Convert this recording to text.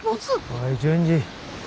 おい順次。